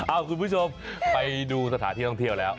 คุณผู้ชมไปดูสถานที่ท่องเที่ยวแล้ว